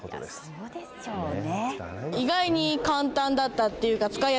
そうでしょうね。